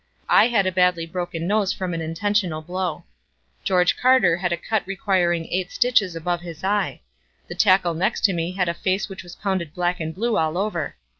I had a badly broken nose from an intentional blow. George Carter had a cut requiring eight stitches above his eye. The tackle next to me had a face which was pounded black and blue all over.